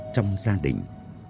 trong gia đình